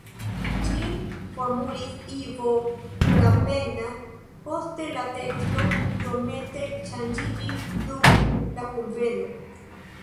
Ĝin formulis Ivo Lapenna, poste la teksto iomete ŝanĝiĝis dum la kunveno.